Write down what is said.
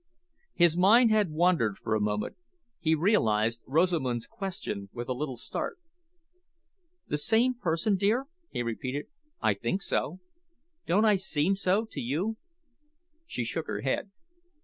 His mind had wandered for a moment. He realised Rosamund's question with a little start. "The same person, dear?" he repeated. "I think so. Don't I seem so to you?" She shook her head.